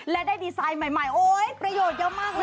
และได้ดีไซน์ใหม่โอ๊ยประโยชน์เยอะมากเลย